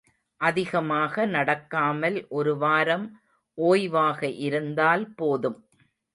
அதிகமாக நடக்காமல் ஒரு வாரம் ஓய்வாக இருந்தால் போதும்.